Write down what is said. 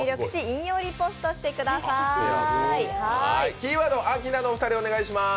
キーワード、アキナのお二人お願いします。